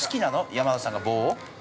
山里さんが棒を？